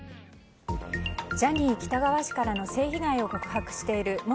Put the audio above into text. ジャニー喜多川氏からの性被害を告白している元